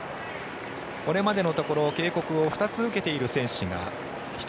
これまでのところ警告を２つ受けている選手１人。